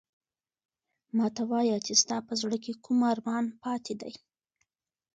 ما ته وایه چې ستا په زړه کې کوم ارمان پاتې دی؟